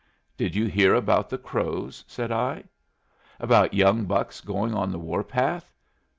"Did you hear about the Crows?" said I. "About young bucks going on the war path?